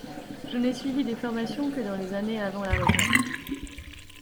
Je n’ai suivi des formations que dans les années avant la retraite.